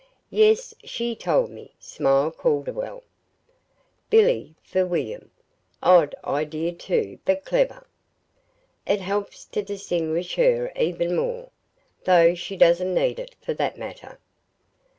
"Yes, she told me," smiled Calderwell. "'Billy' for 'William.' Odd idea, too, but clever. It helps to distinguish her even more though she doesn't need it, for that matter."